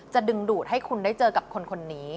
ดึงดูดให้คุณได้เจอกับคนนี้